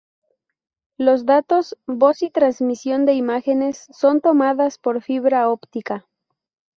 Los datos, voz y transmisión de imágenes son tomadas por fibra óptica.